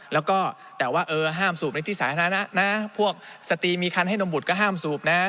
แล้วก็แต่ว่าเออห้ามสูบในที่สาธารณะนะพวกสตรีมีคันให้นมบุตรก็ห้ามสูบนะ